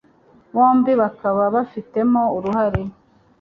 bombi bakaba bafitemo uruhare